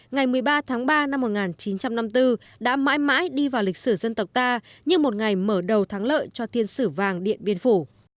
ngày một mươi ba tháng ba năm một nghìn chín trăm năm mươi bốn đã mãi mãi đi vào lịch sử dân tộc ta như một ngày mở đầu thắng lợi cho tiên sử vàng điện biên phủ